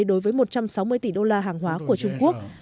đối với một trăm sáu mươi tỷ đô la hàng hóa của trung quốc